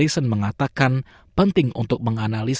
itu yang kita perlu lakukan